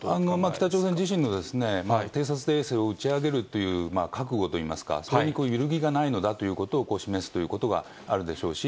北朝鮮自身の偵察衛星を打ち上げるという覚悟といいますか、それに揺るぎがないのだということを示すということがあるでしょうし。